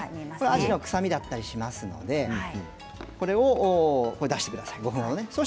アジの臭みだったりしますのでそれを出してください。